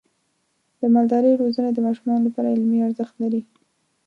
د مالدارۍ روزنه د ماشومانو لپاره علمي ارزښت لري.